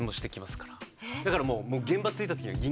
だからもう。